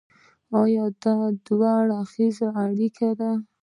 دا یو دوه اړخیزه اړیکه ده.